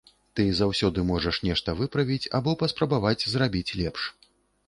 Ты заўсёды можаш нешта выправіць або паспрабаваць зрабіць лепш.